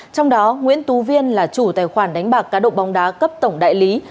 trong đó nguyễn tú viên là chủ tài khoản đánh bạc cá độ bóng đá cấp tổng đại lý